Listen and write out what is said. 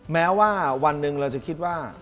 แม้ว่าวันหนึ่งเราจะคิดว่า